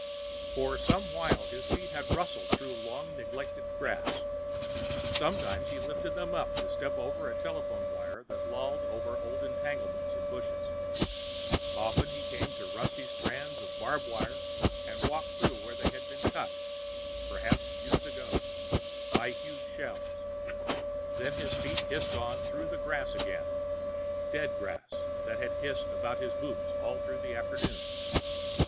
For some while his feet had rustled through long neglected grass; sometimes he lifted them up to step over a telephone wire that lolled over old entanglements and bushes; often he came to rusty strands of barbed wire and walked through them where they had been cut, perhaps years ago, by huge shells; then his feet hissed on through the grass again, dead grass that had hissed about his boots all through the afternoon.